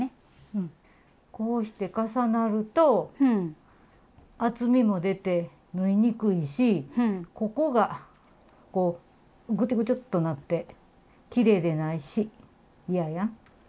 こうして重なると厚みも出て縫いにくいしここがこうグチュグチュッとなってきれいでないし嫌やん。